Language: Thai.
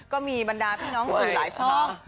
ก็มีบรรดาพี่น้องสื่อหลายช่อง